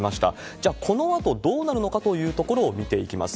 じゃあ、このあと、どうなるのかというところを見ていきます。